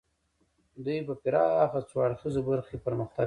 دوی په پراخه څو اړخیزو برخو کې پرمختګ کوي